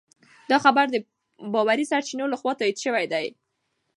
دا خبر د باوري سرچینو لخوا تایید شوی دی.